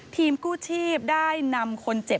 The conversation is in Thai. กู้ชีพได้นำคนเจ็บ